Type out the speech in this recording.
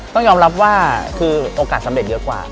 ต้องยอมรับว่าคือโอกาสสำเร็จเยอะกว่า